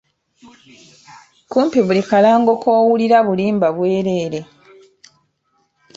Kumpi buli kalango k'owulira bulimba bwereere.